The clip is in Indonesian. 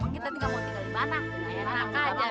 kita tinggal mau tinggal di batang